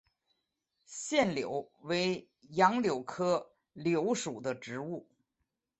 腺柳为杨柳科柳属的植物。